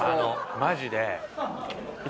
マジで。